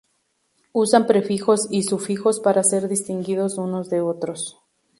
Usan prefijos y sufijos para ser distinguidos unos de otros.